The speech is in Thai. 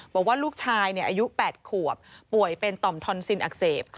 บอกว่าลูกชายอายุ๘ขวบป่วยเป็นต่อมทอนซินอักเสบ